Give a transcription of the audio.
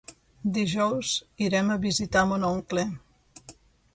Dijous irem a visitar mon oncle.